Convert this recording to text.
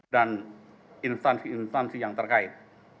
dan instansi instansi yang terkait